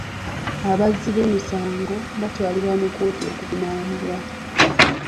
Abazzi b'emisango batwalibwa mu kkooti okuvunaanibwa.